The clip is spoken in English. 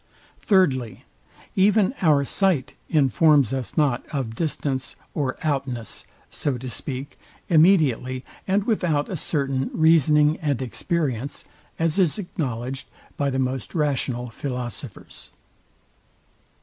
Thirdly, Even our sight informs us not of distance or outness (so to speak) immediately and without a certain reasoning and experience, as is acknowledged by the most rational philosophers.